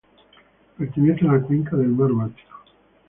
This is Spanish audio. Pertenece a la cuenca del mar Báltico.